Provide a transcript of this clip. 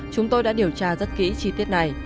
chúng tôi đã điều tra rất kỹ chi tiết này